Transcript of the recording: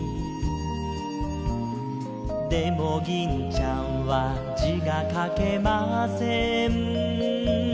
「でも銀ちゃんは字が書けません」